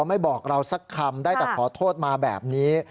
ไม่บอกเราสักคำได้แต่ขอโทษมาแบบนี้